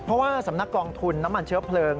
เพราะว่าสำนักกองทุนน้ำมันเชื้อเพลิง